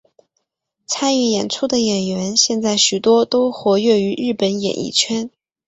参与演出的演员现在许多都活跃于日本演艺圈。